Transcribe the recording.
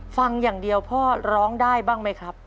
ฟังอย่างเดียวพ่อร้องได้บ้างไหมครับ